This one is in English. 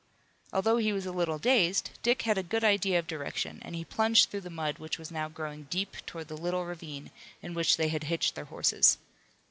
Although he was a little dazed, Dick had a good idea of direction and he plunged through the mud which was now growing deep toward the little ravine in which they had hitched their horses.